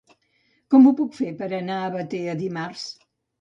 Com ho puc fer per anar a Batea dimarts?